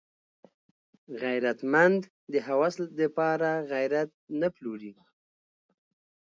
غیرتمند د هوس د پاره غیرت نه پلوري